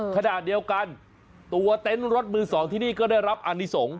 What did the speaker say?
ขณะเดียวกันตัวเต็นต์รถมือ๒ที่นี่ก็ได้รับอนิสงฆ